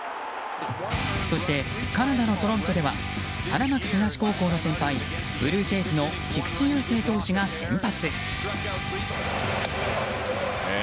そしてカナダのトロントでは花巻東高校の先輩ブルージェイズの菊池雄星投手が先発。